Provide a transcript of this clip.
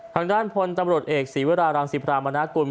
ข้างด้านพนธ์ตำรวจเอกศีวรารามศีพรามณกุล